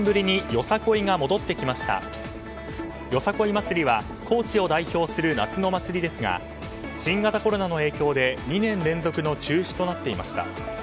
よさこい祭りは高知を代表する夏の祭りですが新型コロナの影響で２年連続の中止となっていました。